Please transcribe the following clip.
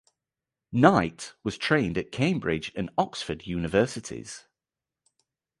Knight was trained at Cambridge and Oxford universities.